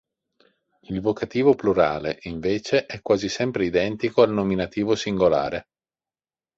Il vocativo plurale, invece, è quasi sempre identico al nominativo singolare.